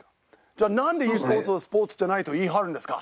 じゃあなんでｅスポーツをスポーツじゃないと言い張るんですか？